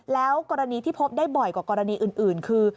แล้วกรณีที่พบได้บ่อยกว่ากรณีอื่นคือ